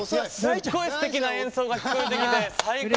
すっごいすてきな演奏が聴こえてきて最高だ。